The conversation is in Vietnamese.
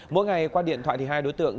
mỗi ngày qua điện thoại thì hai đối tượng